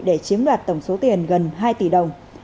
để chiếm đoạt tổng số tiền gần hai tỷ đồng